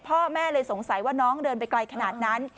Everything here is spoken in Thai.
พ่อแม่เลยสงสัยว่าน้องเดินไปไกลขนาดนั้น